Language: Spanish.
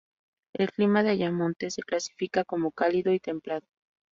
El clima de Ayamonte se clasifica como cálido y templado.